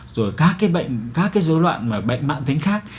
rồi các cái dối loạn mạng tính khác